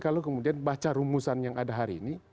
kalau kemudian baca rumusan yang ada hari ini